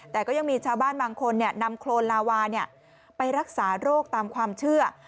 แต่ก็ยังมีชาวบ้านบางคนนำโครนลาวาไปรักษาโรคตามความเชื่อ